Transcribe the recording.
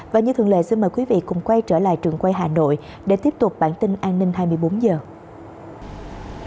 và như thường lệ xin mời quý vị cùng quay trở lại trường quay hà nội để tiếp tục bản tin an ninh hai mươi bốn giờ